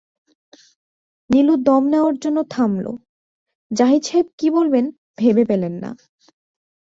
নীলুদম নেয়ার জন্যে থামলা জাহিদ সাহেব কী বলবেন, তেবে পেলেন না।